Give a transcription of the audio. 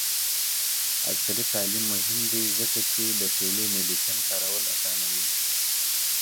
عصري تعلیم مهم دی ځکه چې د ټیلی میډیسین کارول اسانوي.